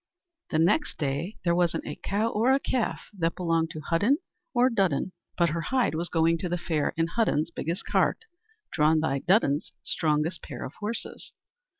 The next day there wasn't a cow or a calf that belonged to Hudden or Dudden but her hide was going to the fair in Hudden's biggest cart drawn by Dudden's strongest pair of horses.